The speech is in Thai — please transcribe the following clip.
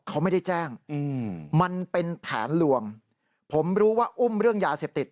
เขาไม่ได้แจ้งมันเป็นแผนลวงผมรู้ว่าอุ้มเรื่องยาเสพติด